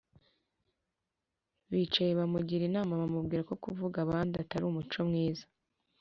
bicaye bamugira inama bamubwirako kuvuga abandi atari umuco mwiza